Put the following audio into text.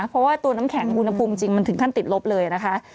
เพราะว่าตัวน้ำแข็งอุณหภูมิจริงมันถึงขั้นติดลบเลยนะคะ